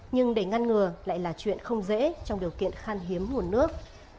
nhưng để ngăn ngừa lại là chuyện không dễ trong điều kiện khan hiếm nguồn nước